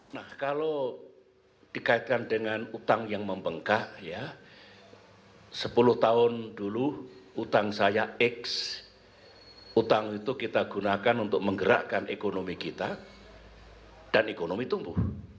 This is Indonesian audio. nah kalau dikaitkan dengan utang yang membengkak ya sepuluh tahun dulu utang saya x utang itu kita gunakan untuk menggerakkan ekonomi kita dan ekonomi tumbuh